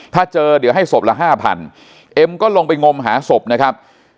ถ้าเจอเดี๋ยวให้ศพละห้าพันเอ็มก็ลงไปงมหาศพนะครับ